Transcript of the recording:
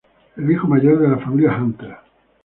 El hijo mayor de la familia Hunter.